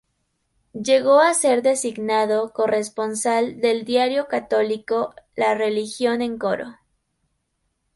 Llegó a ser designado corresponsal del diario católico La Religión en Coro.